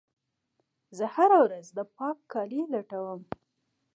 زه هره ورځ د پاک کالي لټوم.